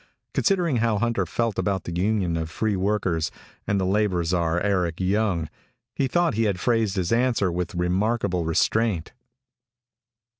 Considering how Hunter felt about the Union of Free Workers and the labor czar, Eric Young, he thought he had phrased his answer with remarkable restraint.